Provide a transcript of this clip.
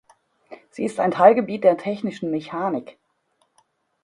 Sie ist ein Teilgebiet der technischen Mechanik.